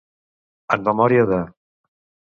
En memòria de.